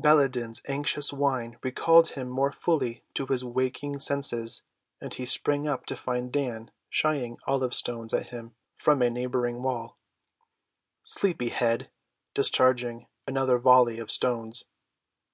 Baladan's anxious whine recalled him more fully to his waking senses, and he sprang up to find Dan shying olive‐stones at him from a neighboring wall. "Sleepy‐head!" quoth the gamin, discharging another volley of stones.